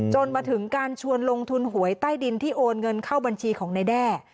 จนมาถึงการชวนลงทุนหวยใต้ดินที่โอนเงินเข้าบัญชีของนายแด้